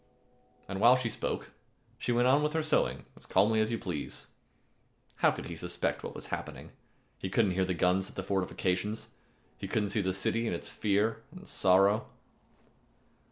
And while she spoke, she went on with her sewing as calmly as you please. How could he suspect what was happening? He couldn't hear the guns at the fortifications. He couldn't see the city in its fear and sorrow.